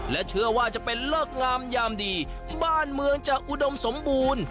และเชื่อว่าจะเป็นเลิกงามยามดีบ้านเมืองจะอุดมสมบูรณ์